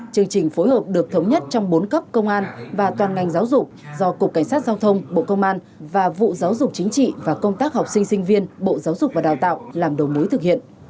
chương trình phối hợp được thống nhất trong bốn cấp công an và toàn ngành giáo dục do cục cảnh sát giao thông bộ công an và vụ giáo dục chính trị và công tác học sinh sinh viên bộ giáo dục và đào tạo làm đầu mối thực hiện